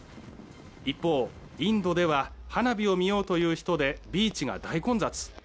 一方、インドでは花火を見ようという人でビーチが大混雑。